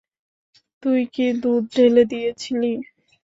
তুই কি দুধ ঢেলে দিয়েছিলি?